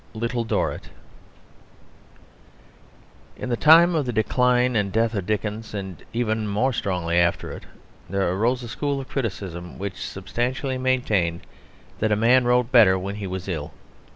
LITTLE DORRIT In the time of the decline and death of Dickens, and even more strongly after it, there arose a school of criticism which substantially maintained that a man wrote better when he was ill.